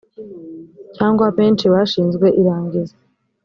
cyangwa benshi bashinzwe irangiza